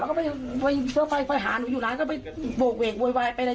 แล้วก็ไปหาหนูอยู่ร้านก็ไปโบกเวกโวยวายไปเลย